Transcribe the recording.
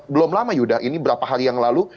belum lama yudha ini beberapa hari yang lalu